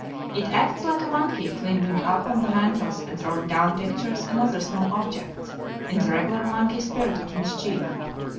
It acts like a monkey, climbing up on mantels and throwing down pictures and other small objects, in the regular monkey spirit of mischief.